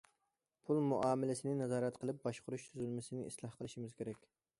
پۇل مۇئامىلىسىنى نازارەت قىلىپ باشقۇرۇش تۈزۈلمىسىنى ئىسلاھ قىلىشىمىز كېرەك.